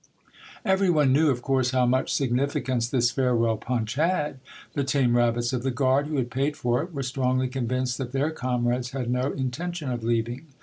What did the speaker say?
Every one knew, of course, how much significance this farewell punch had. The tame rabbits of the guard, who had paid for it, were strongly convinced that their comrades had no in tention of leaving.